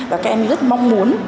và các em rất mong muốn